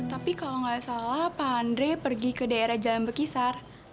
tapi kalau gak salah pak andri pergi ke daerah jalan bekisar